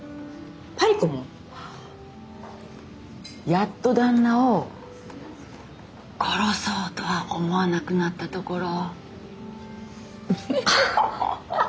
やっと旦那を殺そうとは思わなくなったところ。